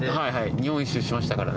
日本一周しましたからね。